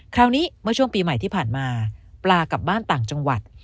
เมื่อช่วงปีใหม่ที่ผ่านมาปลากลับบ้านต่างจังหวัด